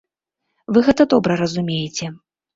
Вы гэта добра разумееце.